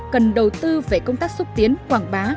cần đầu tư về công tác xúc tiến quảng bá